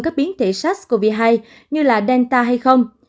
các biến thể sars cov hai như là delta hay không